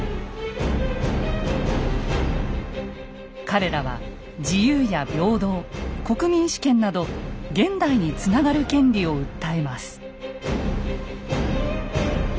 彼らは自由や平等国民主権など現代につながる権利を訴えます。